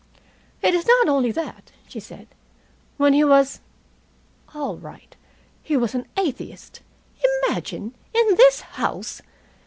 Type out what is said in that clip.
"It was not only that," she said. "When he was all right, he was an atheist. Imagine, in this house!